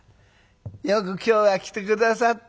よく今日は来て下さった。